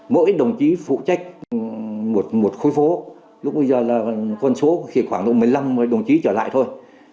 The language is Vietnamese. mỗi đồng chí phụ trách một khối phố lúc bây giờ là quân số khoảng một mươi năm đồng chí trở lại thôi